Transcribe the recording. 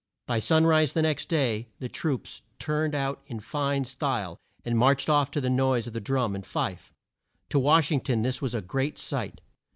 By sun rise the next day the troops turned out in fine style, and marched off to the noise of drum and fife. To Wash ing ton this was a grand sight.